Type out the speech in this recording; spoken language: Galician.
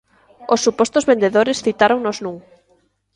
Os supostos vendedores citáronos nun?